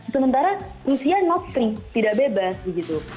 sementara rusia not free tidak bebas begitu